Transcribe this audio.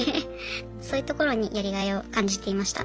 そういうところにやりがいを感じていました。